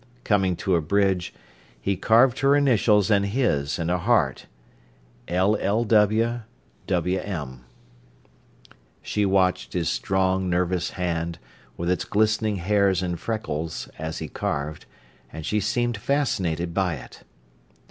Coming to a bridge, he carved her initials and his in a heart. heart She watched his strong, nervous hand, with its glistening hairs and freckles, as he carved, and she seemed fascinated by it.